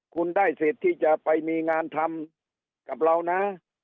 คุณได้สิทธิ์ที่จะไปมีงานทำกับเรานะ